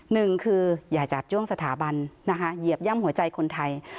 หนึ่งคืออย่าจาบจ้วงสถาบันนะคะเหยียบย่ำหัวใจคนไทย